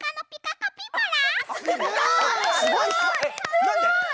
すごい！